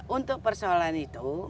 untuk persoalan itu